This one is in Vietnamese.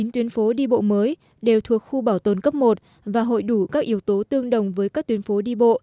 chín tuyến phố đi bộ mới đều thuộc khu bảo tồn cấp một và hội đủ các yếu tố tương đồng với các tuyến phố đi bộ